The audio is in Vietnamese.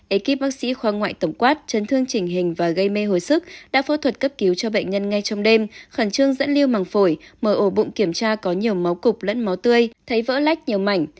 ekip bác sĩ khoa ngoại tổng quát chấn thương chỉnh hình và gây mê hồi sức đã phẫu thuật cấp cứu cho bệnh nhân ngay trong đêm khẩn trương dẫn liêu màng phổi mở ổ bụng kiểm tra có nhiều máu cục lẫn máu tươi thấy vỡ lách nhiều mảnh